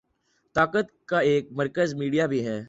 طاقت کا ایک مرکز میڈیا بھی ہے۔